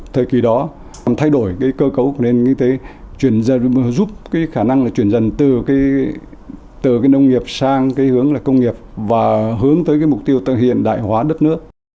thời kỳ đó thay đổi cơ cấu của nền kinh tế giúp khả năng chuyển dần từ nông nghiệp sang hướng công nghiệp và hướng tới mục tiêu hiện đại hóa đất nước